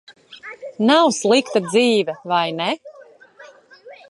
Nav slikta dzīve, vai ne?